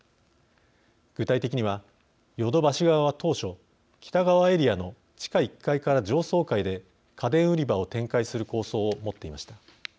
具体的にはヨドバシ側は当初北側エリアの地下１階から上層階で家電売り場を展開する構想をもっていました。